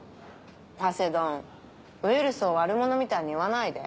ハセドンウイルスを悪者みたいに言わないで。